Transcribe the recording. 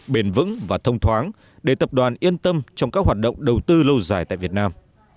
bền vững và thông thoáng để tập đoàn yên tâm trong các hoạt động đầu tư lâu dài tại việt nam